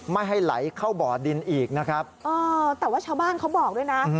ไม่ให้ไหลเข้าบ่อดินอีกนะครับเออแต่ว่าชาวบ้านเขาบอกด้วยนะ